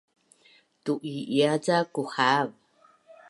tu’i’ia ca kuhav